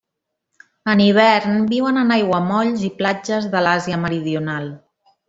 En hivern viuen en aiguamolls i platges de l'Àsia Meridional.